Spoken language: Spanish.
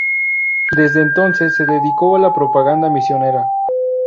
Desde entonces se dedico a la propaganda misionera.